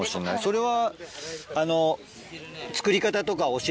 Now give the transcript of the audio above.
それは。